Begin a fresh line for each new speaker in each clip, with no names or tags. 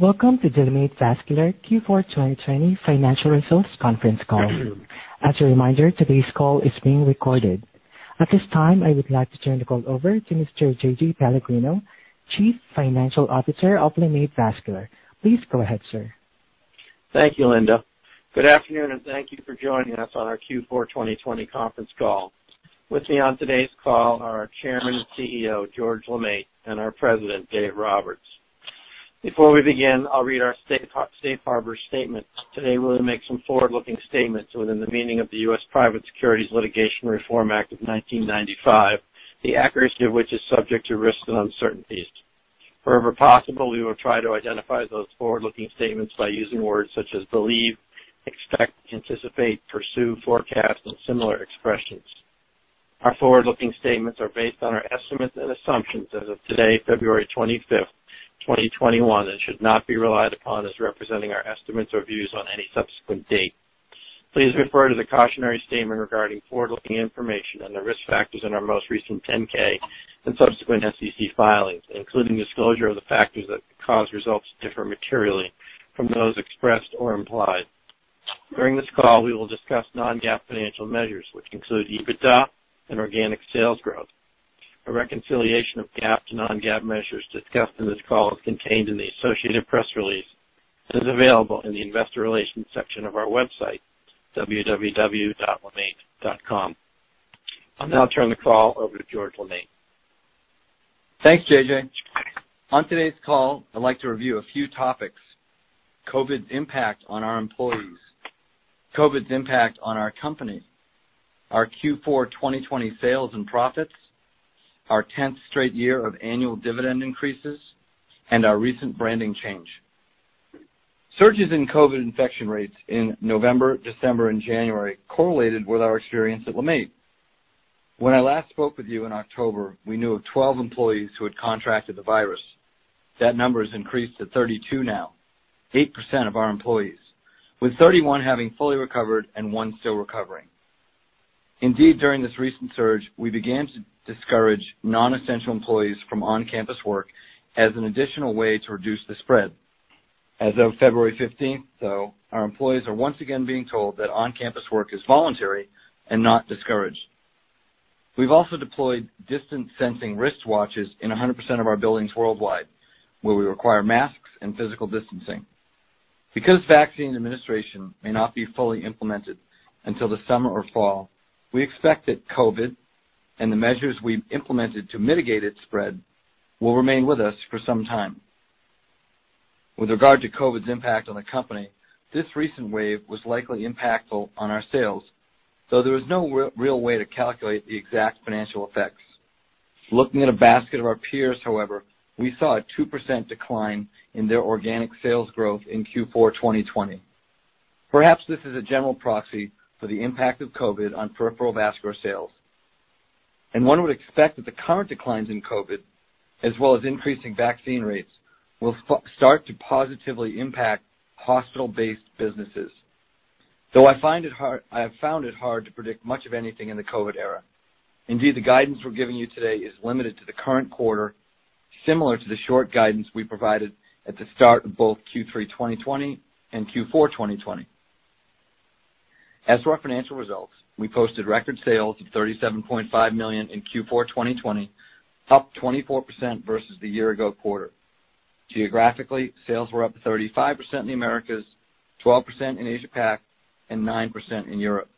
Welcome to LeMaitre Vascular Q4 2020 financial results conference call. As a reminder, today's call is being recorded. At this time, I would like to turn the call over to Mr. JJ Pellegrino, Chief Financial Officer of LeMaitre Vascular. Please go ahead, sir.
Thank you, Linda. Good afternoon, and thank you for joining us on our Q4 2020 conference call. With me on today's call are our Chairman and CEO, George LeMaitre, and our President, Dave Roberts. Before we begin, I'll read our safe harbor statement. Today, we'll make some forward-looking statements within the meaning of the U.S. Private Securities Litigation Reform Act of 1995, the accuracy of which is subject to risks and uncertainties. Wherever possible, we will try to identify those forward-looking statements by using words such as believe, expect, anticipate, pursue, forecast, and similar expressions. Our forward-looking statements are based on our estimates and assumptions as of today, February 25th, 2021, and should not be relied upon as representing our estimates or views on any subsequent date. Please refer to the cautionary statement regarding forward-looking information and the risk factors in our most recent 10-K and subsequent SEC filings, including disclosure of the factors that could cause results to differ materially from those expressed or implied. During this call, we will discuss non-GAAP financial measures, which include EBITDA and organic sales growth. A reconciliation of GAAP to non-GAAP measures discussed in this call is contained in the associated press release and is available in the investor relations section of our website, www.lemaitre.com. I'll now turn the call over to George LeMaitre.
Thanks, JJ. On today's call, I'd like to review a few topics: COVID's impact on our employees, COVID's impact on our company, our Q4 2020 sales and profits, our tenth straight year of annual dividend increases, and our recent branding change. Surges in COVID infection rates in November, December, and January correlated with our experience at LeMaitre. When I last spoke with you in October, we knew of 12 employees who had contracted the virus. That number has increased to 32 now, eight percent of our employees, with 31 having fully recovered and one still recovering. Indeed, during this recent surge, we began to discourage non-essential employees from on-campus work as an additional way to reduce the spread. As of February 15th, though, our employees are once again being told that on-campus work is voluntary and not discouraged. We've also deployed distance-sensing wristwatches in 100% of our buildings worldwide, where we require masks and physical distancing. Because vaccine administration may not be fully implemented until the summer or fall, we expect that COVID and the measures we've implemented to mitigate its spread will remain with us for some time. With regard to COVID's impact on the company, this recent wave was likely impactful on our sales, though there is no real way to calculate the exact financial effects. Looking at a basket of our peers, however, we saw a two percent decline in their organic sales growth in Q4 2020. Perhaps this is a general proxy for the impact of COVID on peripheral vascular sales, and one would expect that the current declines in COVID, as well as increasing vaccine rates, will start to positively impact hospital-based businesses, though I have found it hard to predict much of anything in the COVID era. Indeed, the guidance we're giving you today is limited to the current quarter, similar to the short guidance we provided at the start of both Q3 2020 and Q4 2020. As for our financial results, we posted record sales of $37.5 million in Q4 2020, up 24% versus the year ago quarter. Geographically, sales were up 35% in the Americas, 12% in Asia-Pac, and nine percent in Europe.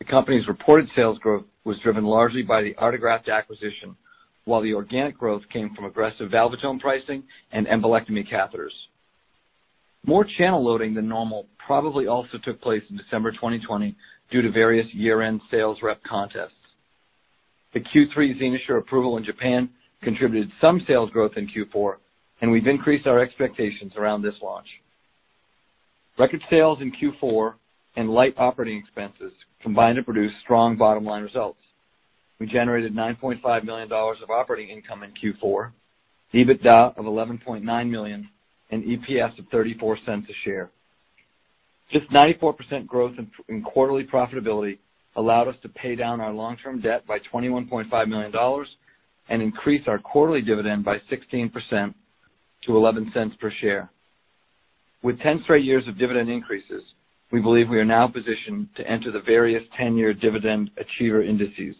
The company's reported sales growth was driven largely by the Artegraft acquisition, while the organic growth came from aggressive Valvulotome pricing and embolectomy catheters. More channel loading than normal probably also took place in December 2020 due to various year-end sales rep contests. The Q3 XenoSure approval in Japan contributed some sales growth in Q4, and we've increased our expectations around this launch. Record sales in Q4 and light operating expenses combined to produce strong bottom-line results. We generated $9.5 million of operating income in Q4, EBITDA of $11.9 million, and EPS of $0.34 a share. This 94% growth in quarterly profitability allowed us to pay down our long-term debt by $21.5 million and increase our quarterly dividend by 16% to $0.11 per share. With 10 straight years of dividend increases, we believe we are now positioned to enter the various 10-year dividend achiever indices.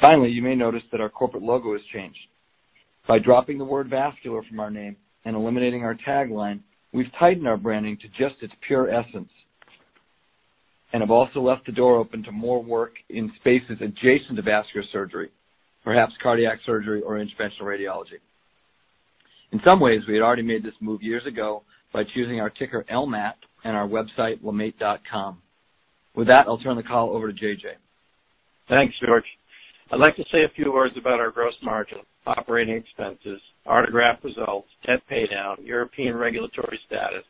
Finally, you may notice that our corporate logo has changed. By dropping the word vascular from our name and eliminating our tagline, we've tightened our branding to just its pure essence and have also left the door open to more work in spaces adjacent to vascular surgery, perhaps cardiac surgery or interventional radiology. In some ways, we had already made this move years ago by choosing our ticker, LMAT, and our website, lemaitre.com. With that, I'll turn the call over to JJ.
Thanks, George. I'd like to say a few words about our gross margin, operating expenses, Artegraft results, debt paydown, European regulatory status,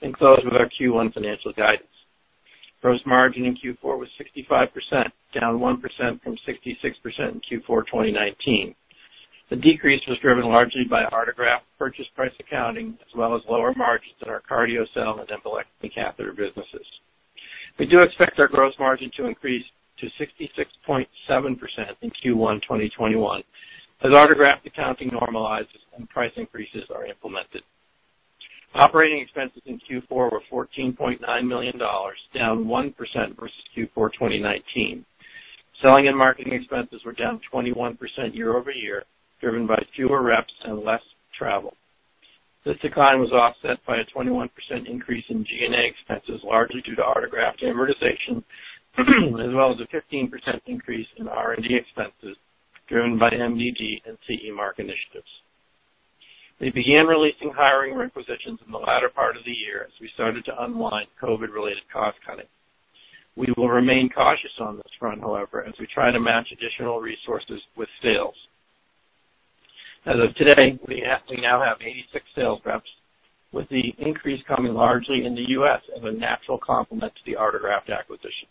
and close with our Q1 financial guidance. Gross margin in Q4 was 65%, down one percent from 66% in Q4 2019. The decrease was driven largely by Artegraft purchase price accounting as well as lower margins in our CardioCel and Embolectomy Catheters businesses. We do expect our gross margin to increase to 66.7% in Q1 2021 as Artegraft accounting normalizes and price increases are implemented. Operating expenses in Q4 were $14.9 million, down one percent versus Q4 2019. Selling and marketing expenses were down 21% year-over-year, driven by fewer reps and less travel. This decline was offset by a 21% increase in G&A expenses, largely due to Artegraft amortization, as well as a 15% increase in R&D expenses driven by MDR and CE Mark initiatives. We began releasing hiring requisitions in the latter part of the year as we started to unwind COVID-related cost cutting. We will remain cautious on this front, however, as we try to match additional resources with sales. As of today, we now have 86 sales reps, with the increase coming largely in the U.S. as a natural complement to the Artegraft acquisition.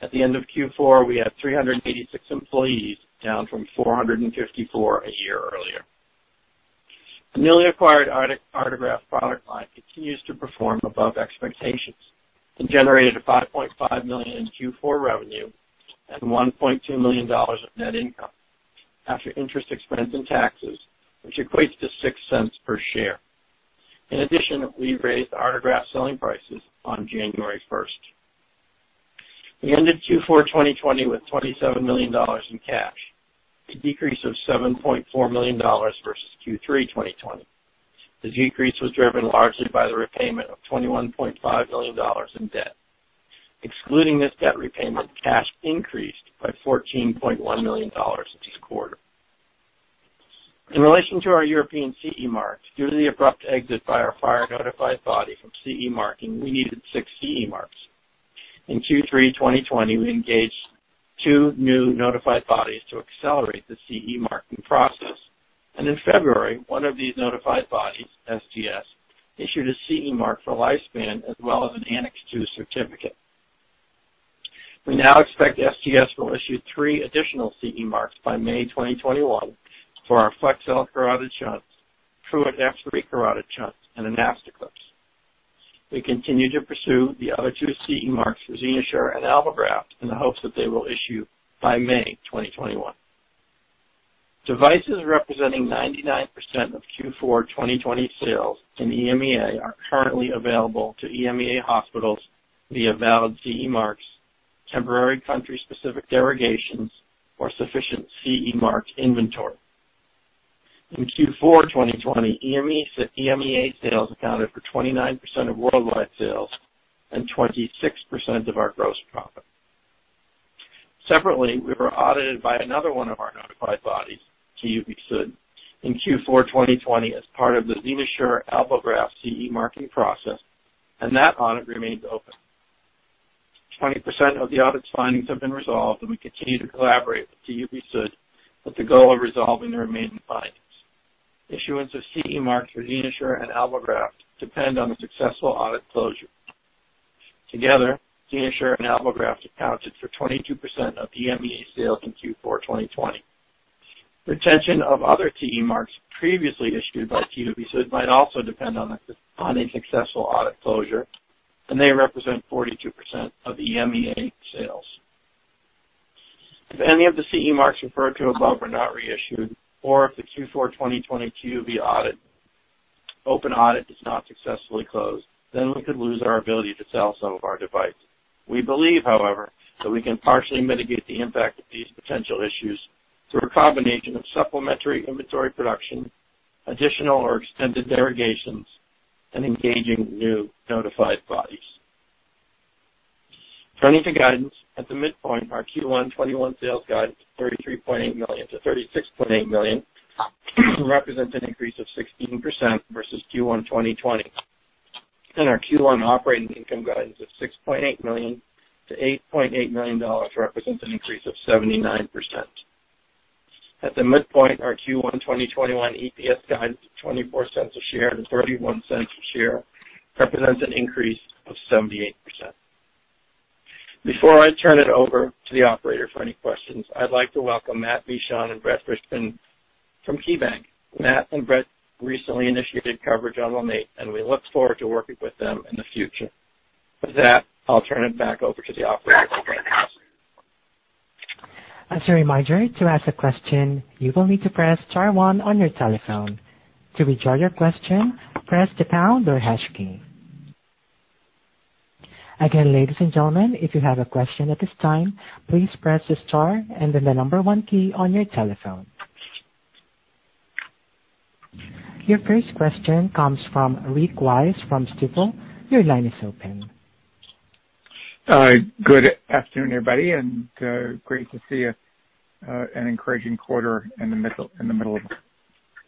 At the end of Q4, we had 386 employees, down from 454 a year earlier. The newly acquired Artegraft product line continues to perform above expectations and generated $5.5 million in Q4 revenue and $1.2 million of net income after interest expense and taxes, which equates to $0.06 per share. In addition, we raised Artegraft selling prices on January 1st. We ended Q4 2020 with $27 million in cash, a decrease of $7.4 million versus Q3 2020. The decrease was driven largely by the repayment of $21.5 million in debt. Excluding this debt repayment, cash increased by $14.1 million this quarter. In relation to our European CE Marks, due to the abrupt exit by our former notified body from CE marking, we needed six CE Marks. In Q3 2020, we engaged two new notified bodies to accelerate the CE marking process. In February, one of these notified bodies, SGS, issued a CE Mark for LifeSpan as well as an Annex II certificate. We now expect SGS will issue three additional CE Marks by May 2021 for our Flexcel carotid shunts, TrueAdapt three carotid shunts, and AnastoClip. We continue to pursue the other two CE Marks for XenoSure and AlboGraft in the hopes that they will issue by May 2021. Devices representing 99% of Q4 2020 sales in EMEA are currently available to EMEA hospitals via valid CE Marks, temporary country-specific derogations, or sufficient CE Mark inventory. In Q4 2020, EMEA sales accounted for 29% of worldwide sales and 26% of our gross profit. Separately, we were audited by another one of our notified bodies, TÜV SÜD, in Q4 2020 as part of the XenoSure AlboGraft CE marking process, and that audit remains open. 20% of the audit's findings have been resolved, and we continue to collaborate with TÜV SÜD with the goal of resolving the remaining findings. Issuance of CE Marks for XenoSure and AlboGraft depend on the successful audit closure. Together, XenoSure and AlboGraft accounted for 22% of EMEA sales in Q4 2020. Retention of other CE Marks previously issued by TÜV SÜD might also depend on a successful audit closure, and they represent 42% of EMEA sales. If any of the CE Marks referred to above are not reissued, or if the Q4 2020 TÜV open audit does not successfully close, then we could lose our ability to sell some of our devices. We believe, however, that we can partially mitigate the impact of these potential issues through a combination of supplementary inventory production, additional or extended derogations, and engaging new notified bodies. Turning to guidance, at the midpoint, our Q1 2021 sales guidance of $33.8 million-$36.8 million represents an increase of 16% versus Q1 2020. Our Q1 operating income guidance of $6.8 million-$8.8 million represents an increase of 79%. At the midpoint, our Q1 2021 EPS guidance of $0.24 a share-$0.31 a share represents an increase of 78%. Before I turn it over to the operator for any questions, I'd like to welcome Matt Fishbein and Brett Richmond from KeyBanc Capital Markets. Matt and Brett recently initiated coverage on LeMaitre, and we look forward to working with them in the future. With that, I'll turn it back over to the operator.
As a reminder, to ask a question, you will need to press star one on your telephone. To withdraw your question, press the pound or hash key. Again, ladies and gentlemen, if you have a question at this time, please press the star and then the number one key on your telephone. Your first question comes from Rick Wise from Stifel. Your line is open.
Good afternoon, everybody. Great to see an encouraging quarter in the middle of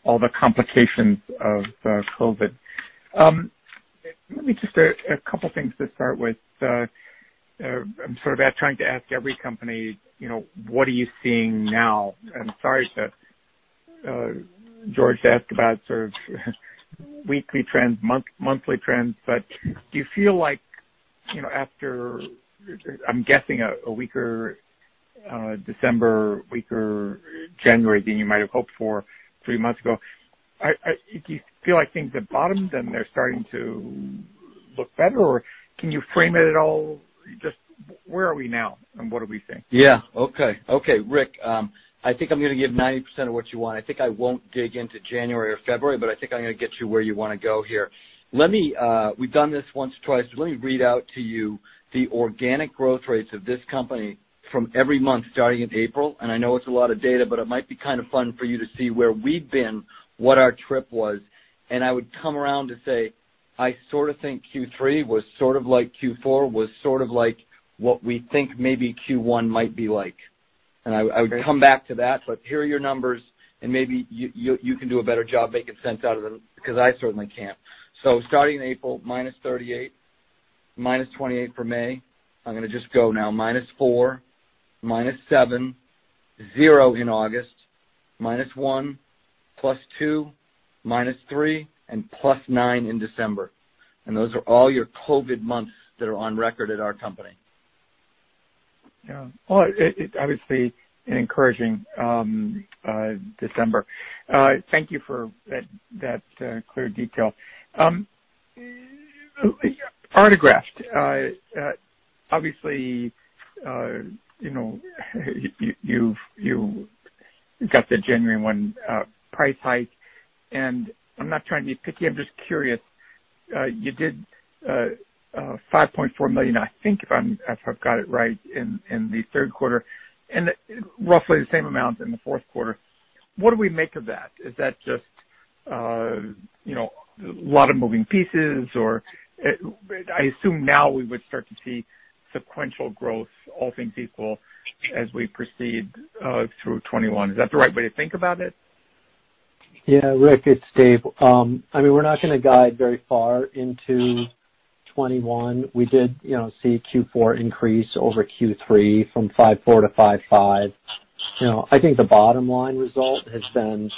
all the complications of COVID. A couple things to start with. I'm sort of trying to ask every company, what are you seeing now? I'm sorry to, George, ask about sort of weekly trends, monthly trends. Do you feel like after, I'm guessing, a weaker December weaker January than you might have hoped for three months ago. Do you feel like things have bottomed and they're starting to look better, or can you frame it at all? Just where are we now and what do we think?
Yeah. Okay, Rick, I think I'm going to give 90% of what you want. I think I won't dig into January or February. I think I'm going to get you where you want to go here. We've done this once or twice. Let me read out to you the organic growth rates of this company from every month starting in April. I know it's a lot of data, it might be kind of fun for you to see where we've been, what our trip was. I would come around to say, I sort of think Q3 was sort of like Q4, was sort of like what we think maybe Q1 might be like. Okay. I would come back to that. Here are your numbers, and maybe you can do a better job making sense out of them, because I certainly can't. Starting in April, -38%, -28% for May. I'm going to just go now, -four percent, -seven percent, 0% in August, -one percent, +two percent, -three percent, and +nine percent in December. Those are all your COVID months that are on record at our company.
Yeah. Well, it's obviously an encouraging December. Thank you for that clear detail. Artegraft. Obviously, you got the January one price hike, and I'm not trying to be picky, I'm just curious. You did $5.4 million, I think, if I've got it right, in the Q3, and roughly the same amount in the Q4. What do we make of that? Is that just a lot of moving pieces, or I assume now we would start to see sequential growth, all things equal, as we proceed through 2021. Is that the right way to think about it?
Rick, it's Dave. We're not going to guide very far into 2021. We did see Q4 increase over Q3 from 5.4 to 5.5. I think the bottom line result has been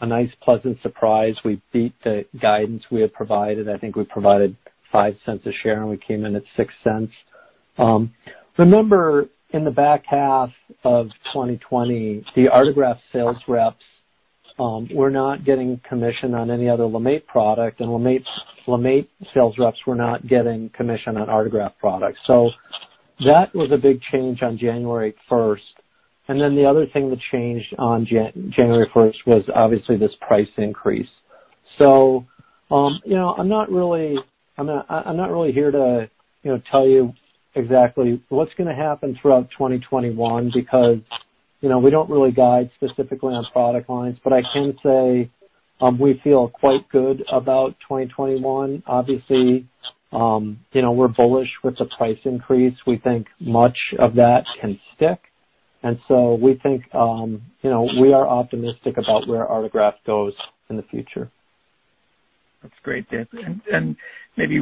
a nice, pleasant surprise. We beat the guidance we had provided. I think we provided $0.05 a share, and we came in at $0.06. Remember, in the back half of 2020, the Artegraft sales reps were not getting commission on any other LeMaitre product, and LeMaitre sales reps were not getting commission on Artegraft products. That was a big change on January 1st, and then the other thing that changed on January 1st was obviously this price increase. I'm not really here to tell you exactly what's going to happen throughout 2021 because we don't really guide specifically on product lines. I can say we feel quite good about 2021. Obviously, we're bullish with the price increase. We think much of that can stick. We think we are optimistic about where Artegraft goes in the future.
That's great, Dave. Maybe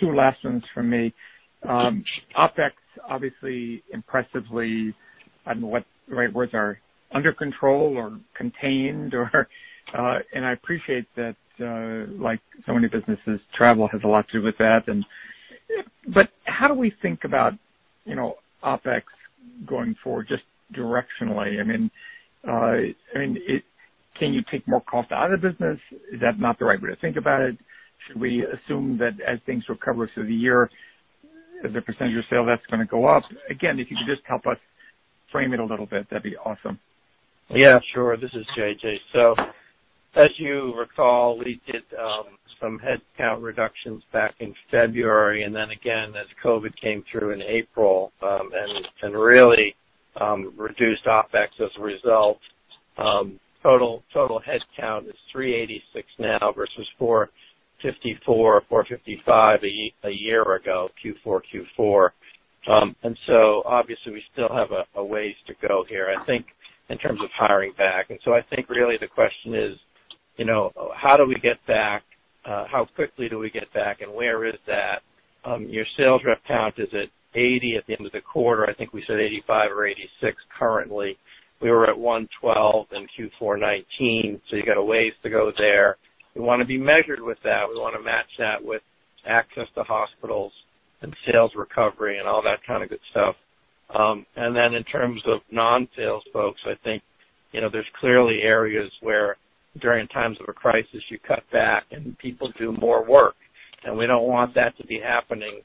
two last ones from me. OpEx obviously impressively, I don't know what the right words are, under control or contained or I appreciate that like so many businesses, travel has a lot to do with that. How do we think about OpEx going forward, just directionally? Can you take more cost out of the business? Is that not the right way to think about it? Should we assume that as things recover through the year, as a % of sale, that's going to go up? Again, if you could just help us frame it a little bit, that'd be awesome.
Yeah, sure. This is JJ. As you recall, we did some headcount reductions back in February, and then again, as COVID came through in April, and really reduced OpEx as a result. Total headcount is 386 now versus 454 or 455 a year ago, Q4 - Q4. Obviously we still have a ways to go here, I think in terms of hiring back. I think really the question is, how do we get back? How quickly do we get back, and where is that? Your sales rep count is at 80 at the end of the quarter. I think we said 85 or 86 currently. We were at 112 in Q4 2019, so you've got a ways to go there. We want to be measured with that. We want to match that with access to hospitals and sales recovery and all that kind of good stuff. In terms of non-sales folks, I think there's clearly areas where during times of a crisis you cut back and people do more work, and we don't want that to be happening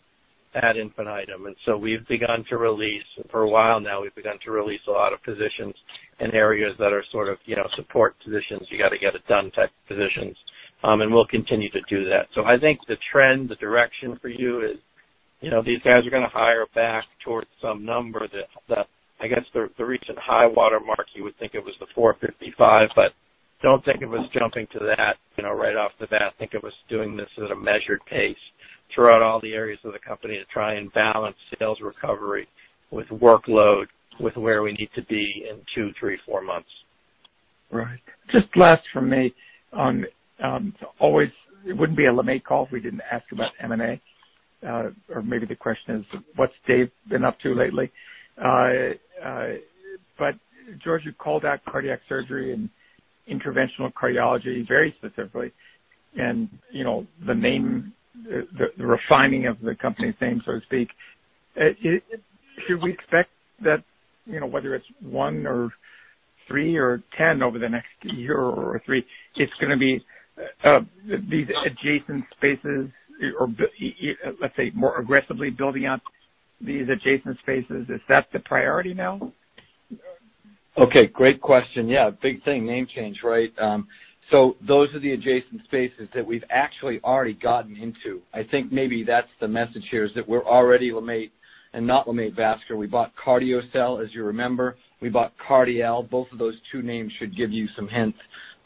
ad infinitum. For a while now, we've begun to release a lot of positions in areas that are sort of support positions. You got to get it done type of positions. We'll continue to do that. I think the trend, the direction for you is these guys are going to hire back towards some number that I guess the recent high water mark, you would think it was the 455, but don't think of us jumping to that right off the bat. Think of us doing this at a measured pace throughout all the areas of the company to try and balance sales recovery with workload, with where we need to be in two, three, four months.
Right. Just last from me on, always it wouldn't be a LeMaitre call if we didn't ask about M&A. Maybe the question is, what's Dave been up to lately? George, you called out cardiac surgery and interventional cardiology very specifically, and the refining of the company name, so to speak. Should we expect that, whether it's one or three or 10 over the next year or three, it's going to be these adjacent spaces, or let's say, more aggressively building out these adjacent spaces. Is that the priority now?
Okay, great question. Yeah, big thing, name change, right? Those are the adjacent spaces that we've actually already gotten into. I think maybe that's the message here, is that we're already LeMaitre and not LeMaitre Vascular. We bought CardioCel, as you remember. We bought Cardial. Both of those two names should give you some hints.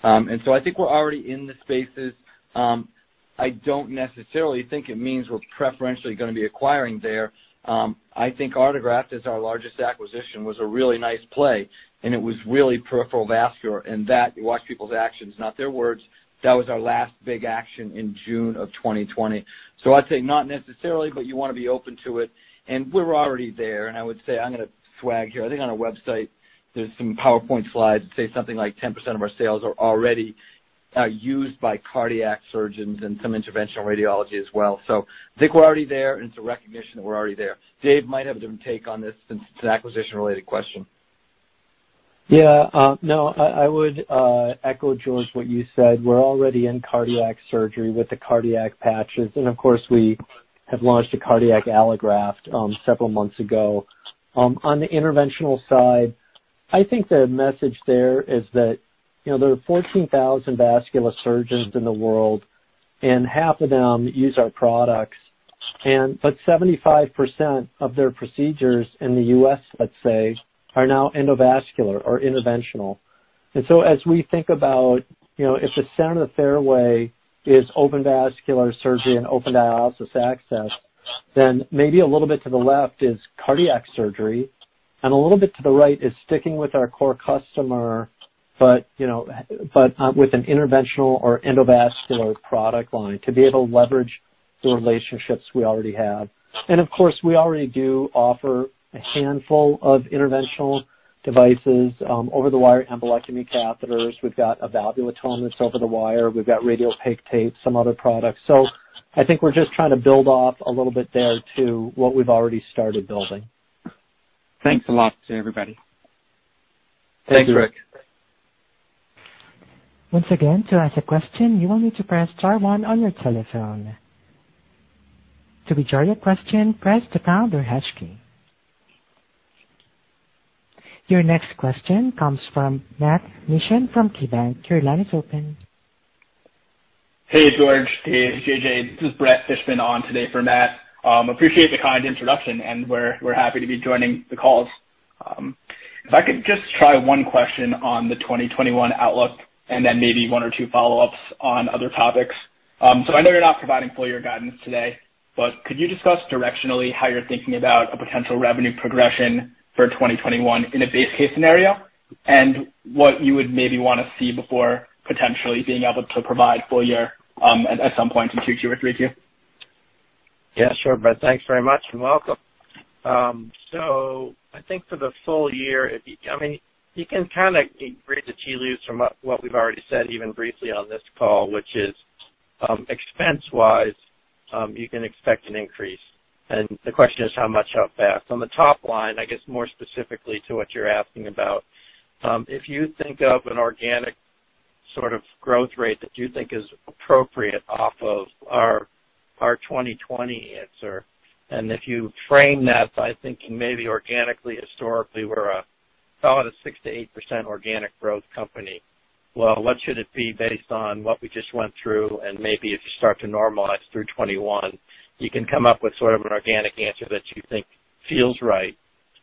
I think we're already in the spaces. I don't necessarily think it means we're preferentially going to be acquiring there. I think Artegraft, as our largest acquisition, was a really nice play, and it was really peripheral vascular, and that, you watch people's actions, not their words. That was our last big action in June of 2020. I'd say not necessarily, but you want to be open to it. We're already there, and I would say, I'm going to swag here.
I think on our website, there's some PowerPoint slides that say something like 10% of our sales are already used by cardiac surgeons and some interventional radiology as well. I think we're already there, and it's a recognition that we're already there. Dave might have a different take on this since it's an acquisition-related question.
No, I would echo, George, what you said. We're already in cardiac surgery with the cardiac patches, and of course, we have launched a cardiac allograft several months ago. On the interventional side, I think the message there is that there are 14,000 vascular surgeons in the world, and half of them use our products. 75% of their procedures in the U.S., let's say, are now endovascular or interventional. As we think about if the center of the fairway is open vascular surgery and open dialysis access, maybe a little bit to the left is cardiac surgery, a little bit to the right is sticking with our core customer, with an interventional or endovascular product line to be able to leverage the relationships we already have. Of course, we already do offer a handful of interventional devices, Over-the-Wire Embolectomy Catheters. We've got a Valvulotome that's over-the-wire. We've got Radiopaque Tape, some other products. I think we're just trying to build off a little bit there to what we've already started building.
Thanks a lot to everybody.
Thanks, Rick.
Once again, to ask a question, you will need to press star one on your telephone. To withdraw your question, press the pound or hash key. Your next question comes from Matt Mishan from KeyBanc Capital Markets. Your line is open.
Hey, George, Dave, JJ. This is Brett Fishbin on today for Matt. Appreciate the kind introduction, and we're happy to be joining the calls. If I could just try one question on the 2021 outlook and then maybe one or two follow-ups on other topics. I know you're not providing full year guidance today, but could you discuss directionally how you're thinking about a potential revenue progression for 2021 in a base case scenario, and what you would maybe want to see before potentially being able to provide full year at some point in Q2 or Q3?
Yeah, sure, Brett. Thanks very much, and welcome. I think for the full year, you can kind of read the tea leaves from what we've already said even briefly on this call, which is, expense-wise, you can expect an increase. The question is how much out back. On the top line, I guess more specifically to what you're asking about, if you think of an organic sort of growth rate that you think is appropriate off of our 2020 answer, and if you frame that by thinking maybe organically, historically, we're a call it a six percent-eight percent organic growth company. Well, what should it be based on what we just went through and maybe if you start to normalize through 2021? You can come up with sort of an organic answer that you think feels right.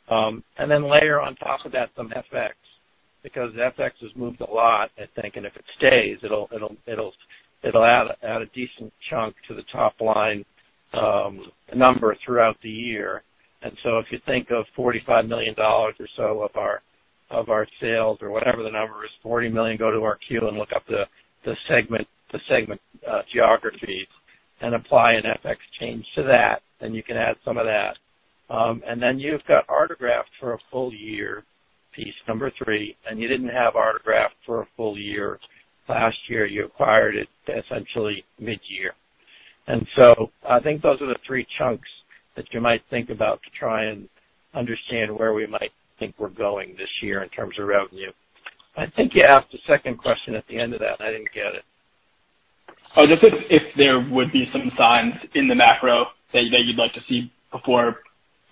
Then layer on top of that some FX, because FX has moved a lot, I think, and if it stays, it'll add a decent chunk to the top line number throughout the year. If you think of $45 million or so of our sales or whatever the number is, $40 million, go to our Q and look up the segment geographies and apply an FX change to that, and you can add some of that. Then you've got Artegraft for a full year piece number three, and you didn't have Artegraft for a full year last year. You acquired it essentially mid-year. I think those are the three chunks that you might think about to try and understand where we might think we're going this year in terms of revenue. I think you asked a second question at the end of that, and I didn't get it.
Just if there would be some signs in the macro that you'd like to see before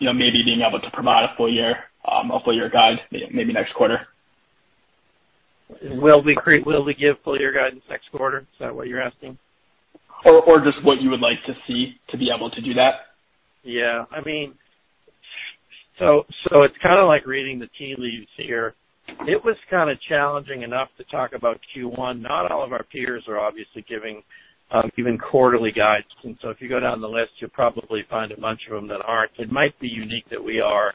maybe being able to provide a full year guide maybe next quarter.
Will we give full year guidance next quarter? Is that what you're asking?
Just what you would like to see to be able to do that.
Yeah. It's kind of like reading the tea leaves here. It was kind of challenging enough to talk about Q1. Not all of our peers are obviously giving even quarterly guidance. If you go down the list, you'll probably find a bunch of them that aren't. It might be unique that we are.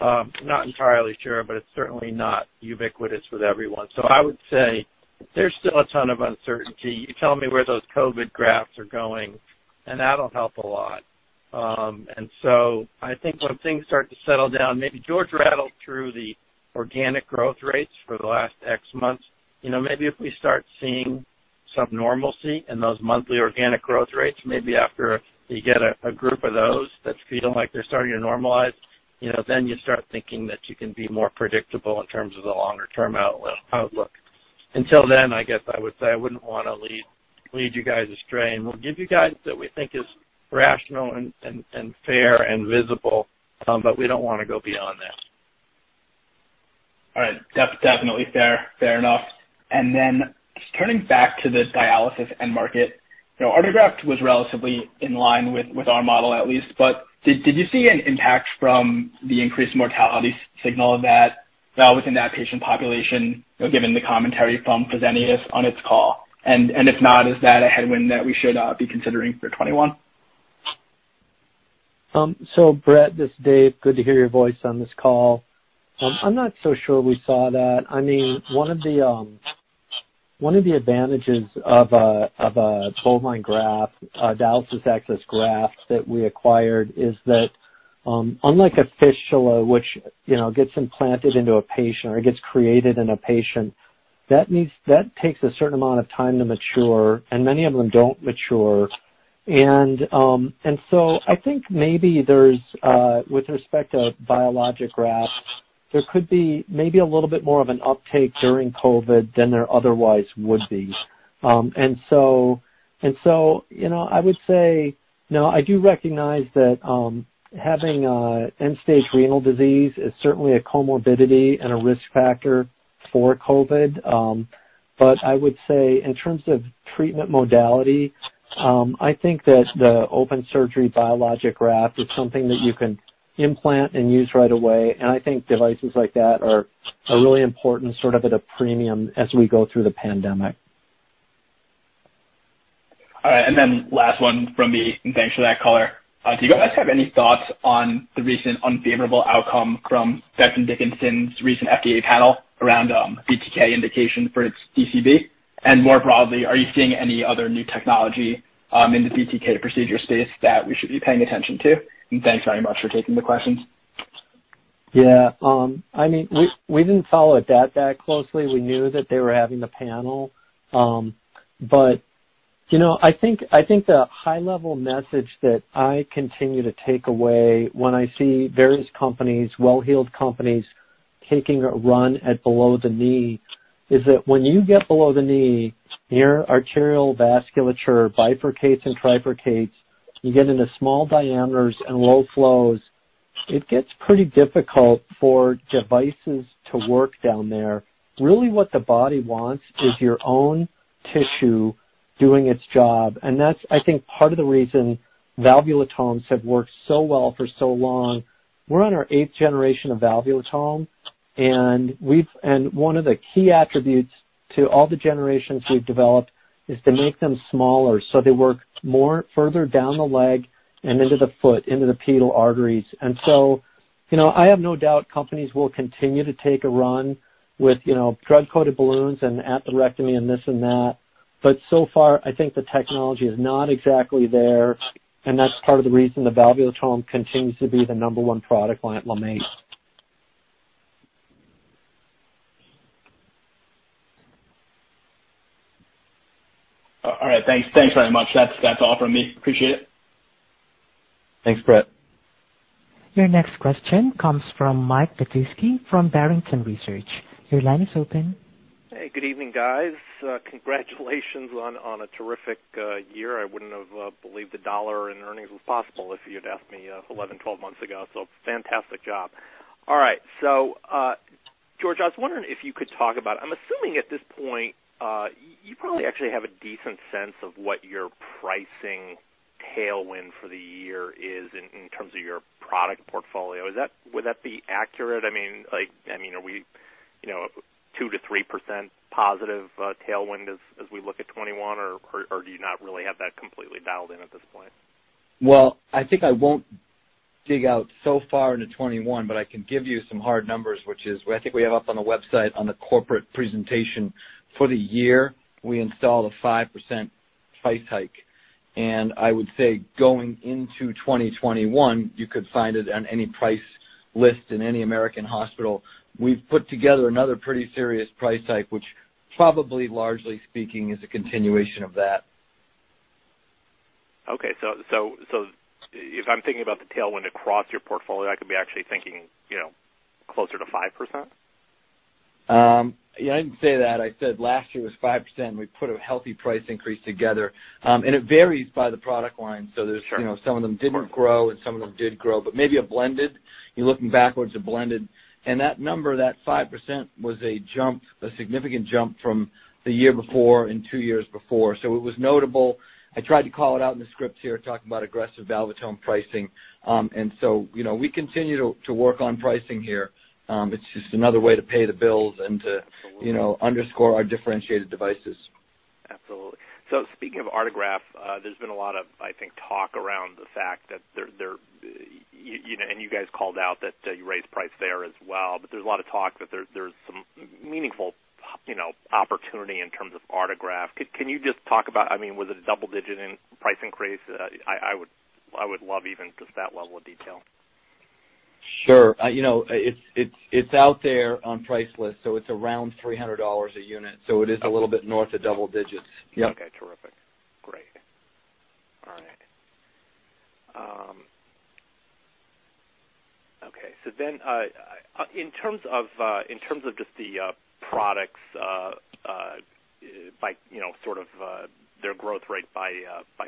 Not entirely sure, but it's certainly not ubiquitous with everyone. I would say there's still a ton of uncertainty. You tell me where those COVID grafts are going, and that'll help a lot. I think when things start to settle down, maybe George rattled through the organic growth rates for the last X months. Maybe if we start seeing some normalcy in those monthly organic growth rates, maybe after you get a group of those that feel like they're starting to normalize, then you start thinking that you can be more predictable in terms of the longer-term outlook. Until then, I guess I would say I wouldn't want to lead you guys astray, and we'll give you guys what we think is rational and fair and visible, but we don't want to go beyond that.
All right. Definitely fair. Fair enough. Turning back to the dialysis end market, Artegraft was relatively in line with our model at least. Did you see an impact from the increased mortality signal that within that patient population, given the commentary from Fresenius on its call? If not, is that a headwind that we should be considering for 2021?
Brett, this is Dave, good to hear your voice on this call. I'm not so sure we saw that. One of the advantages of a bovine graft, a dialysis access graft that we acquired is that, unlike a fistula, which gets implanted into a patient or it gets created in a patient, that takes a certain amount of time to mature, and many of them don't mature. I think maybe with respect to biologic grafts, there could be maybe a little bit more of an uptake during COVID than there otherwise would be. I would say, now, I do recognize that having end-stage renal disease is certainly a comorbidity and a risk factor for COVID. I would say in terms of treatment modality, I think that the open surgery biologic graft is something that you can implant and use right away, and I think devices like that are really important, sort of at a premium as we go through the pandemic.
All right. Last one from me, thanks for that color. Do you guys have any thoughts on the recent unfavorable outcome from Boston Scientific's recent FDA panel around BTK indication for its DCB? More broadly, are you seeing any other new technology in the BTK procedure space that we should be paying attention to? Thanks very much for taking the questions.
Yeah. We didn't follow it that closely. I think the high-level message that I continue to take away when I see various companies, well-heeled companies, taking a run at below the knee is that when you get below the knee, your arterial vasculature bifurcates and trifurcates. You get into small diameters and low flows. It gets pretty difficult for devices to work down there. Really what the body wants is your own tissue doing its job, and that's, I think, part of the reason valvulotomes have worked so well for so long. We're on our 8th generation of valvulotome, and one of the key attributes to all the generations we've developed is to make them smaller so they work further down the leg and into the foot, into the pedal arteries. I have no doubt companies will continue to take a run with drug-coated balloons and atherectomy and this and that. So far, I think the technology is not exactly there, and that's part of the reason the valvulotome continues to be the number one product line at LeMaitre.
All right. Thanks very much. That's all from me. Appreciate it.
Thanks, Brett.
Your next question comes from Michael Petusky from Barrington Research. Your line is open.
Hey, good evening, guys. Congratulations on a terrific year. I wouldn't have believed the dollar in earnings was possible if you'd asked me 11, 12 months ago, fantastic job. All right. George, I was wondering if you could talk about, I'm assuming at this point, you probably actually have a decent sense of what your pricing tailwind for the year is in terms of your product portfolio. Would that be accurate? Are we two percent-three percent positive tailwind as we look at 2021, or do you not really have that completely dialed in at this point?
Well, I think I won't dig out so far into 2021, but I can give you some hard numbers. I think we have up on the website on the corporate presentation for the year, we installed a five percent price hike, and I would say going into 2021, you could find it on any price list in any American hospital. We've put together another pretty serious price hike, which probably largely speaking is a continuation of that.
Okay. If I'm thinking about the tailwind across your portfolio, I could be actually thinking closer tofive percent?
I didn't say that. I said last year was five percent. We put a healthy price increase together. It varies by the product line.
Sure.
Some of them didn't grow, and some of them did grow. Maybe a blended, you're looking backwards. That number, that five percent, was a significant jump from the year before and two years before. It was notable. I tried to call it out in the scripts here, talking about aggressive valvulotome pricing. We continue to work on pricing here. It's just another way to pay the bills.
Absolutely
underscore our differentiated devices.
Absolutely. Speaking of Artegraft, there's been a lot of, I think, talk around the fact that you guys called out that you raised price there as well, there's a lot of talk that there's some meaningful opportunity in terms of autograft. Can you just talk about, with a double-digit pricing increase, I would love even just that level of detail.
Sure. It's out there on price list. It's around $300 a unit. It is a little bit north of double digits. Yep.
Okay. Terrific. Great. All right. Okay. In terms of just the products, their growth rate by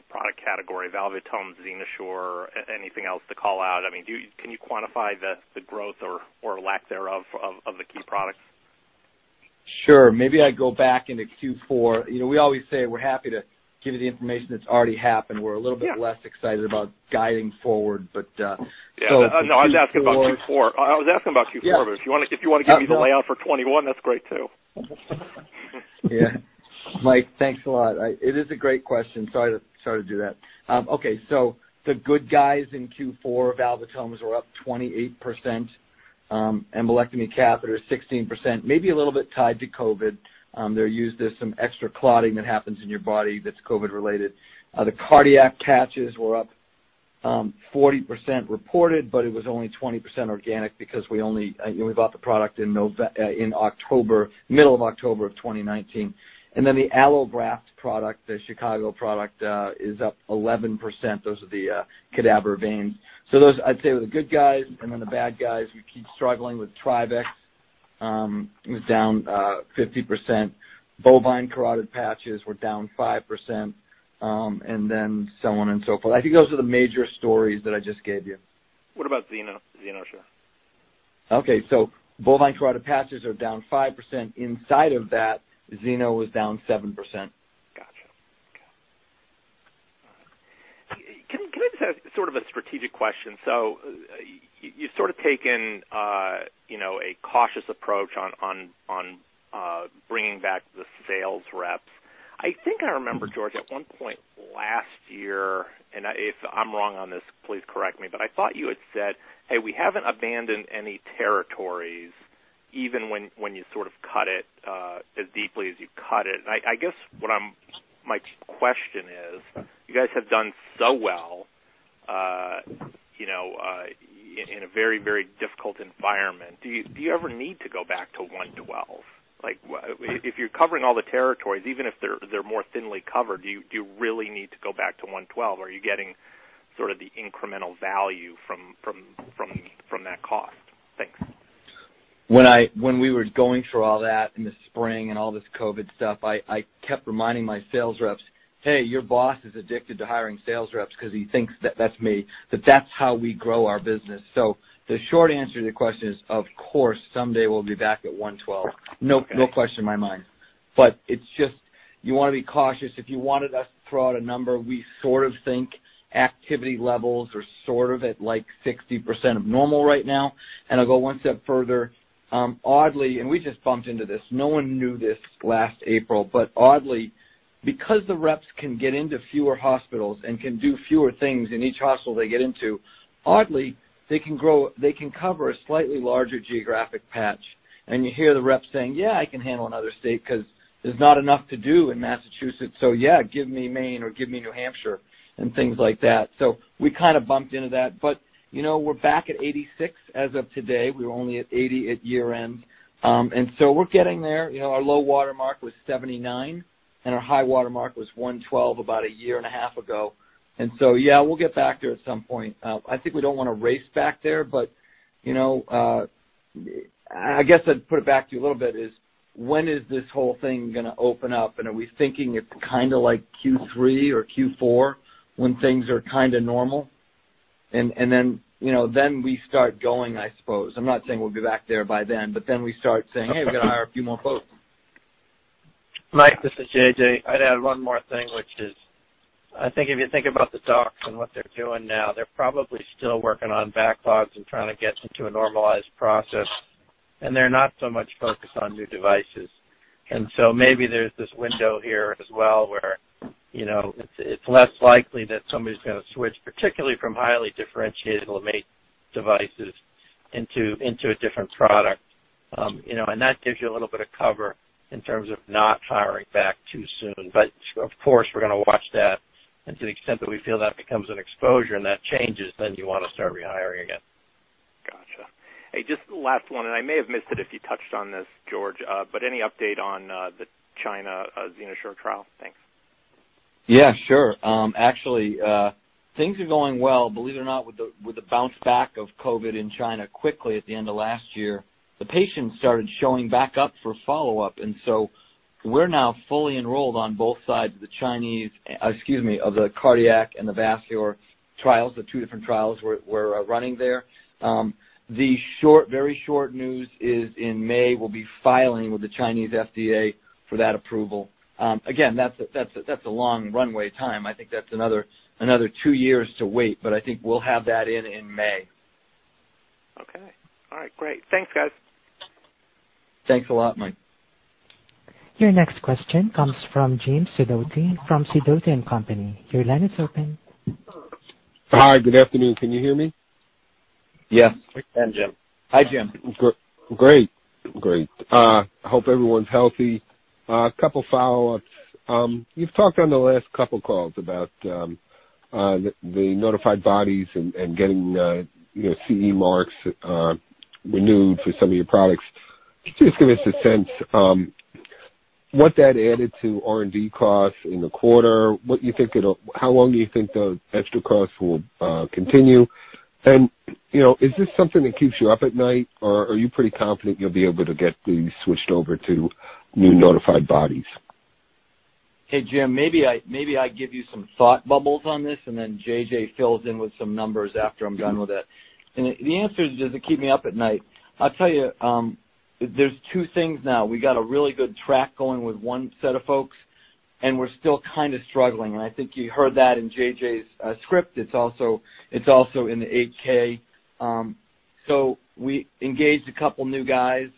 product category, valvulotomes, XenoSure, anything else to call out? Can you quantify the growth or lack thereof of the key products?
Sure. Maybe I go back into Q4. We always say we're happy to give you the information that's already happened. We're a little bit less excited about guiding forward.
Yeah. No, I was asking about Q4. If you want to give me the layout for Q1 2021, that's great, too.
Mike, thanks a lot. It is a great question. Sorry to do that. Okay, the good guys in Q4, valvulotomes, were up 28%, Embolectomy Catheters, 16%, maybe a little bit tied to COVID. They're used as some extra clotting that happens in your body that's COVID related. The cardiac patches were up 40% reported, but it was only 20% organic because we bought the product in middle of October of 2019. The allograft product, the Chicago product, is up 11%. Those are the cadaver veins. Those, I'd say, were the good guys. The bad guys, we keep struggling with TRIVEX, was down 50%. bovine carotid patches were down five percent, so on and so forth. I think those are the major stories that I just gave you.
What about XenoSure?
Okay. bovine carotid patches are down five percent. Inside of that, Xeno was down seven percent.
Got you. Okay. All right. Can I just ask sort of a strategic question? You've sort of taken a cautious approach on bringing back the sales reps. I think I remember, George, at one point last year, and if I'm wrong on this, please correct me, but I thought you had said, "Hey, we haven't abandoned any territories," even when you sort of cut it as deeply as you cut it. I guess what my question is, you guys have done so well in a very difficult environment. Do you ever need to go back to 112? If you're covering all the territories, even if they're more thinly covered, do you really need to go back to 112? Are you getting sort of the incremental value from that cost? Thanks.
When we were going through all that in the spring and all this COVID, I kept reminding my sales reps, "Hey, your boss is addicted to hiring sales reps because he thinks that that's me, that that's how we grow our business." The short answer to the question is, of course, someday we'll be back at 112. No question in my mind, it's just you want to be cautious. If you wanted us to throw out a number, we sort of think activity levels are sort of at, like, 60% of normal right now. I'll go one step further. Oddly, we just bumped into this. No one knew this last April, but oddly, because the reps can get into fewer hospitals and can do fewer things in each hospital they get into, oddly, they can cover a slightly larger geographic patch. You hear the reps saying, "Yeah, I can handle another state because there's not enough to do in Massachusetts. Yeah, give me Maine or give me New Hampshire," and things like that. We kind of bumped into that. We're back at 86 as of today. We were only at 80 at year-end. We're getting there. Our low water mark was 79, and our high water mark was 112 about a year and a half ago, yeah, we'll get back there at some point. I think we don't want to race back there, but I guess I'd put it back to you a little bit is when is this whole thing going to open up? Are we thinking it's kind of like Q3 or Q4 when things are kind of normal? We start going, I suppose. I'm not saying we'll be back there by then, but then we start saying, "Hey, we're going to hire a few more folks.
Mike, this is JJ. I'd add one more thing, which is, I think if you think about the docs and what they're doing now, they're probably still working on backlogs and trying to get into a normalized process, and they're not so much focused on new devices. Maybe there's this window here as well, where it's less likely that somebody's going to switch, particularly from highly differentiated LeMaitre devices into a different product. That gives you a little bit of cover in terms of not hiring back too soon. Of course, we're going to watch that, and to the extent that we feel that becomes an exposure and that changes, then you want to start rehiring again.
Got you. Hey, just last one. I may have missed it if you touched on this, George. Any update on the China XenoSure trial? Thanks.
Yeah, sure. Actually, things are going well. Believe it or not, with the bounce back of COVID in China quickly at the end of last year, the patients started showing back up for follow-up, we're now fully enrolled on both sides of the cardiac and the vascular trials, the two different trials we're running there. The very short news is in May, we'll be filing with the Chinese FDA for that approval. That's a long runway time. I think that's another two years to wait, but I think we'll have that in in May.
Okay. All right, great. Thanks, guys.
Thanks a lot, Mike.
Your next question comes from Jim Sidoti from Sidoti & Company. Your line is open.
Hi. Good afternoon. Can you hear me?
Yes.
We can, Jim.
Hi, Jim.
Great. I hope everyone's healthy. A couple follow-ups. You've talked on the last couple of calls about the notified bodies and getting your CE Marks renewed for some of your products. Can you just give us a sense what that added to R&D costs in the quarter? How long do you think the extra costs will continue? Is this something that keeps you up at night, or are you pretty confident you'll be able to get these switched over to new notified bodies?
Hey, Jim, maybe I give you some thought bubbles on this, then JJ fills in with some numbers after I'm done with it. The answer is, does it keep me up at night? I'll tell you, there's two things now. We got a really good track going with one set of folks, and we're still kind of struggling. I think you heard that in JJ's script. It's also in the 8-K. We engaged a couple of new guys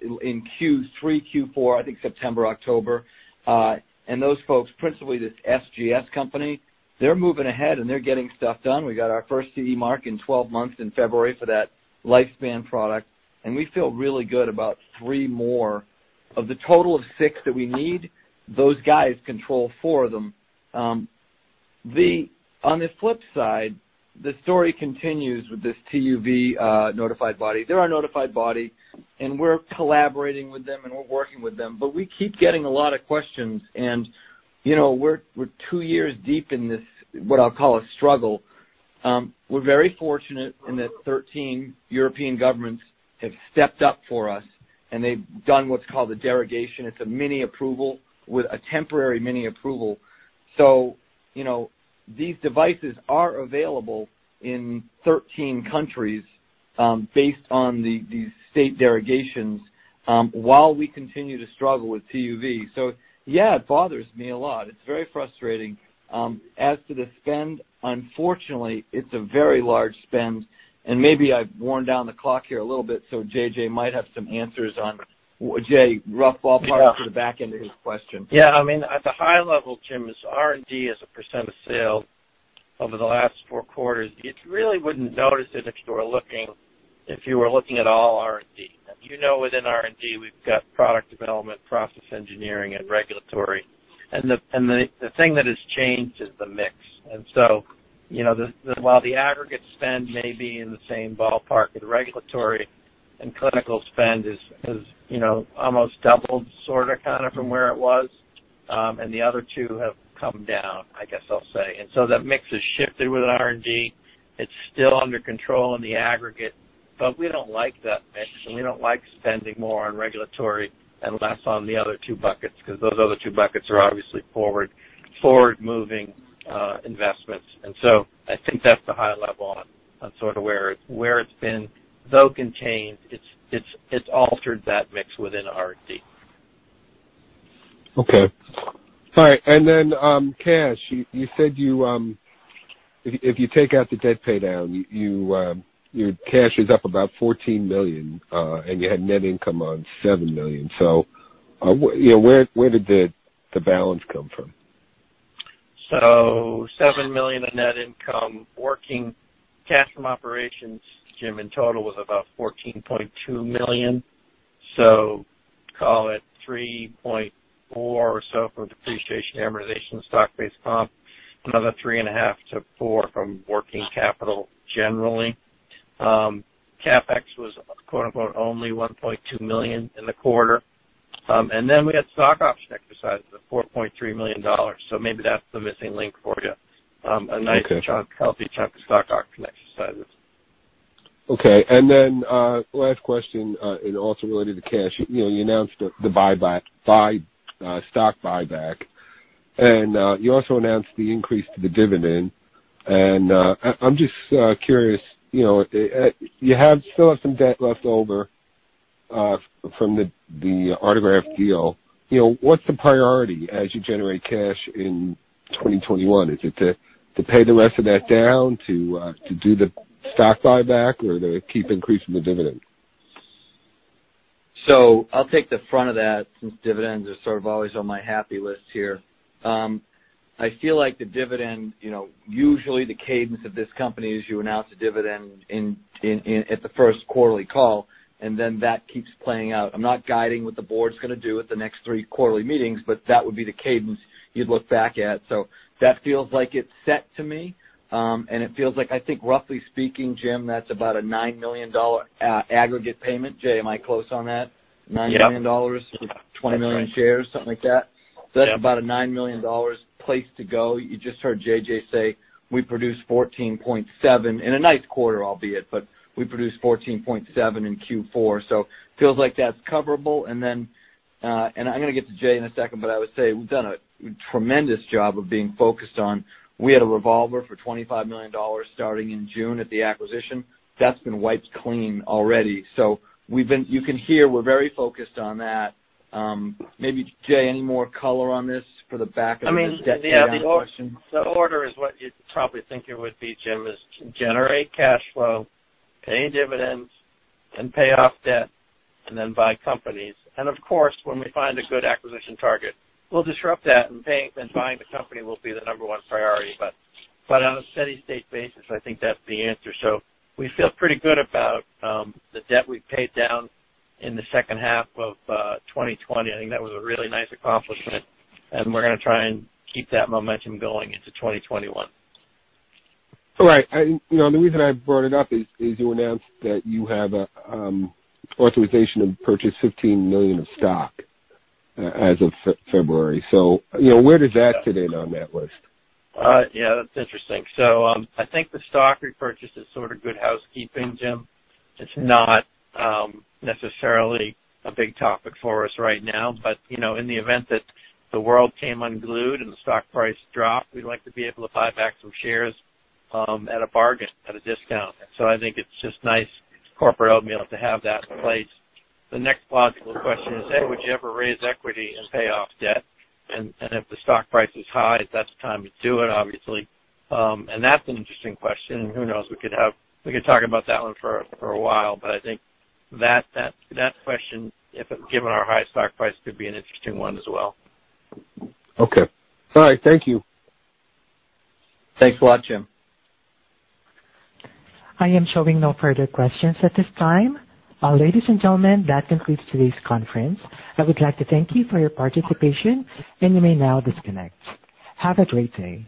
in Q3, Q4, I think September, October. Those folks, principally this SGS company, they're moving ahead and they're getting stuff done. We got our first CE Mark in 12 months in February for that LifeSpan product, and we feel really good about three more. Of the total of six that we need, those guys control four of them. On the flip side, the story continues with this TÜV notified body. They're our notified body, and we're collaborating with them and we're working with them, but we keep getting a lot of questions, and we're two years deep in this, what I'll call a struggle. We're very fortunate in that 13 European governments have stepped up for us, and they've done what's called a derogation. It's a mini approval with a temporary mini approval. These devices are available in 13 countries based on these state derogations while we continue to struggle with TÜV. Yeah, it bothers me a lot. It's very frustrating. As to the spend, unfortunately, it's a very large spend, and maybe I've worn down the clock here a little bit, so JJ might have some answers on JJ, rough ballpark for the back end of his question.
Yeah. At the high level, Jim, R&D as a % of sale over the last four quarters, you really wouldn't notice it if you were looking at all R&D. You know within R&D, we've got product development, process engineering, and regulatory. The thing that has changed is the mix. While the aggregate spend may be in the same ballpark, the regulatory and clinical spend has almost doubled, sort of, kind of from where it was. The other two have come down, I guess I'll say. That mix has shifted with R&D. It's still under control in the aggregate, but we don't like that mix, and we don't like spending more on regulatory and less on the other two buckets, because those other two buckets are obviously forward moving investments. I think that's the high level on sort of where it's been. Though contained, it's altered that mix within R&D.
Okay. All right, and then cash. You said if you take out the debt pay down, your cash is up about $14 million, and you had net income on $7 million. Where did the balance come from?
$7 million in net income. Working cash from operations, Jim, in total, was about $14.2 million. Call it $3.4 or so from depreciation, amortization, stock-based comp. Another three and a half to four from working capital generally. CapEx was only $1.2 million in the quarter. We had stock option exercises of $4.3 million. Maybe that's the missing link for you.
Okay.
A nice chunk, healthy chunk of stock option exercises.
Okay. Last question, also related to cash. You announced the stock buyback, you also announced the increase to the dividend. I'm just curious, you still have some debt left over from the Artegraft deal. What's the priority as you generate cash in 2021? Is it to pay the rest of that down, to do the stock buyback, or to keep increasing the dividend?
I'll take the front of that, since dividends are sort of always on my happy list here. I feel like the dividend, usually the cadence of this company is you announce a dividend at the Q1 call, and then that keeps playing out. I'm not guiding what the board's going to do at the next three quarterly meetings, but that would be the cadence you'd look back at. That feels like it's set to me. It feels like, I think roughly speaking, Jim, that's about a $9 million aggregate payment. JJ, am I close on that?
Yeah.
$9 million with 20 million shares, something like that.
That's right. Yeah.
That's about a $9 million place to go. You just heard JJ say we produced $14.7 in a nice quarter, albeit, but we produced $14.7 in Q4, so feels like that's coverable. I'm going to get to JJ in a second, but I would say we've done a tremendous job of being focused on, we had a revolver for $25 million starting in June at the acquisition. That's been wiped clean already. You can hear we're very focused on that. Maybe JJ, any more color on this for the back end of this debt pay down question?
The order is what you'd probably think it would be, Jim, is generate cash flow, pay dividends, and pay off debt, then buy companies. Of course, when we find a good acquisition target, we'll disrupt that and paying and buying the company will be the number one priority. On a steady state basis, I think that's the answer. We feel pretty good about the debt we paid down in the second half of 2020. I think that was a really nice accomplishment, and we're going to try and keep that momentum going into 2021.
All right. The reason I brought it up is you announced that you have authorization to purchase $15 million of stock as of February. Where does that fit in on that list?
Yeah, that's interesting. I think the stock repurchase is sort of good housekeeping, Jim. It's not necessarily a big topic for us right now, but in the event that the world came unglued and the stock price dropped, we'd like to be able to buy back some shares at a bargain, at a discount. I think it's just nice corporate oatmeal to have that in place. The next logical question is, hey, would you ever raise equity and pay off debt? If the stock price is high, that's the time to do it, obviously. That's an interesting question. Who knows, we could talk about that one for a while. I think that question, given our high stock price, could be an interesting one as well.
Okay. All right. Thank you.
Thanks a lot, Jim.
I am showing no further questions at this time. Ladies and gentlemen, that concludes today's conference. I would like to thank you for your participation, and you may now disconnect. Have a great day.